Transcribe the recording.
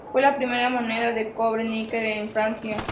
Fue la primera moneda de cobre-níquel en Francia.